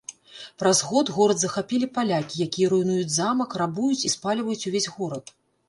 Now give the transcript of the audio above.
Праз год горад захапілі палякі, якія руйнуюць замак, рабуюць і спальваюць увесь горад.